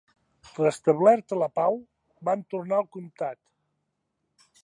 Restablerta la pau, van tornar al comtat.